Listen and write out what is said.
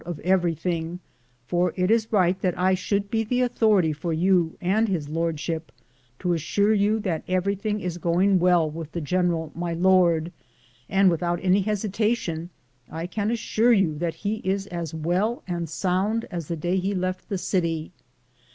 THE JODBHET OF CORONADO everything, for it is right that I should be the authority for you and his lordship, to assure yon that everything is going well with the general my lord, and without any hesita tion I can assure you that he is as well and eomid as the day he left the city.